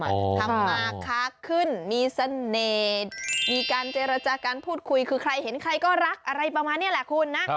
ทำมาค้าขึ้นมีเสน่ห์มีการเจรจาการพูดคุยคือใครเห็นใครก็รักอะไรประมาณนี้แหละคุณนะ